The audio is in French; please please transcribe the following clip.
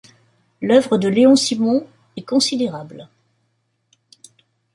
L'oeuvre de Léon Simon est considérable.